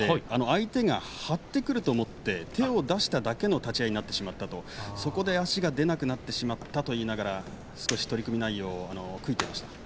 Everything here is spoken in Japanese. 相手が張ってくると思って手を出しただけの立ち合いになってしまったとそこで足が出なくなってしまったと少し取組内容を悔いていました。